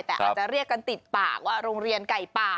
แต่อาจจะเรียกกันติดปากว่าโรงเรียนไก่ป่า